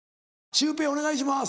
シュウペイお願いします。